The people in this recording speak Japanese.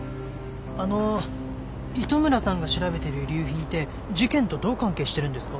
あの糸村さんが調べてる遺留品って事件とどう関係してるんですか？